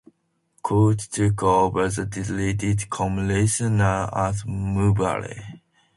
Coote took over as District Commissioner at Mbale.